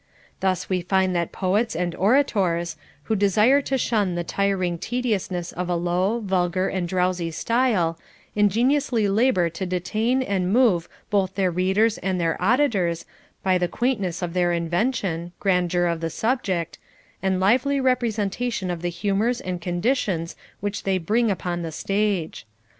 Thus we find that poets CONJUGAL PRECEPTS. 497 and orators, who desire to shun the tiring tediousness of a low, vulgar, and drowsy style, ingeniously labor tc detain and move both their readers and their auditors by the quaiiitness of their invention, grandeur of the subject, and lively representation of the humors and conditions which they bring upon the stage.